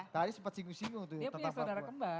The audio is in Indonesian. tadi sempat singgung singgung tuh tentang papua